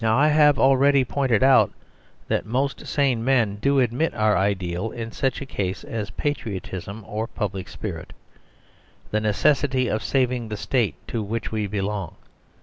Now I have already pointed out that most sane men do admit our ideal in such a case as patriotism or public spirit; the necessity of saving the state to which we belong.